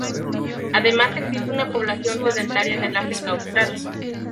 Además existe una población sedentaria en el África austral.